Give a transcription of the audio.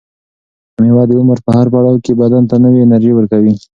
مېوه د عمر په هر پړاو کې بدن ته نوې انرژي ورکوي.